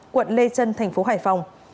quận lê trân tp hải phòng